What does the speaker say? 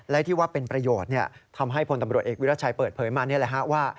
และที่ว่าเป็นประโยชน์ทำให้พลตำรวจเอกวิรัชัยเปิดเผยมานี่แหละฮะว่า